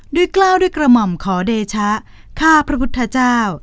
กล้าวด้วยกระหม่อมขอเดชะข้าพระพุทธเจ้า